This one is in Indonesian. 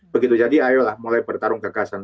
begitu jadi ayolah mulai bertarung gagasan